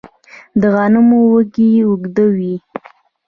د غنمو وږی اوږد وي.